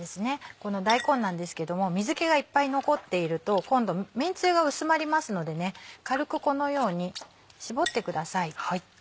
この大根なんですけども水気がいっぱい残っていると今度麺つゆが薄まりますので軽くこのように絞ってください。